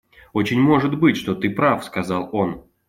Очень может быть, что ты прав, — сказал он.